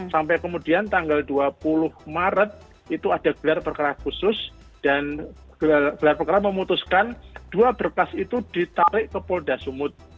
sampai kemudian tanggal dua puluh maret itu ada gelar perkara khusus dan gelar perkara memutuskan dua berkas itu ditarik ke polda sumut